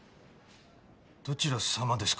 どちら様ですか？